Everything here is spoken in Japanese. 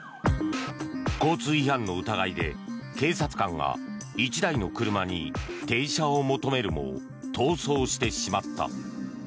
交通違反の疑いで警察官が１台の車に停車を求めるも逃走してしまった。